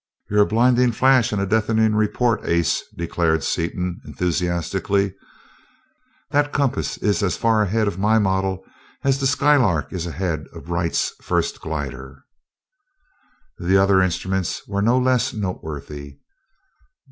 "You're a blinding flash and a deafening report, ace!" declared Seaton, enthusiastically. "That compass is as far ahead of my model as the Skylark is ahead of Wright's first glider." The other instruments were no less noteworthy.